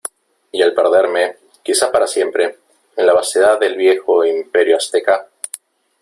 y al perderme , quizá para siempre , en la vastedad del viejo Imperio Azteca ,